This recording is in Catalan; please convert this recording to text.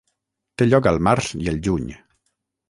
Té lloc al març i el juny.